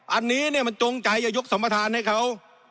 อันนี้เนี่ยมันจงใจจะยกสัมประธานให้เขา